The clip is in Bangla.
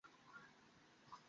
ভিখারি না আমরা!